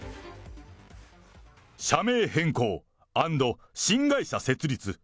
社名変更＆新会社設立。